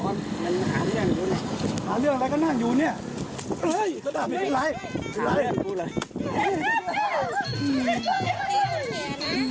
โอ้โฮที่ต้องฟีดภาพช่วงนั้น